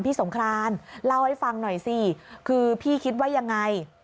สงครานเล่าให้ฟังหน่อยสิคือพี่คิดว่ายังไง